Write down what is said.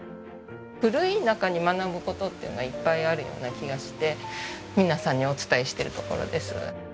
古い中に学ぶ事っていうのがいっぱいあるような気がして皆さんにお伝えしているところです。